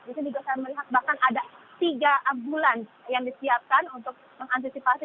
di sini juga saya melihat bahkan ada tiga ambulans yang disiapkan untuk mengantisipasi